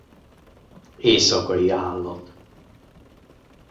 Éjszakai állat.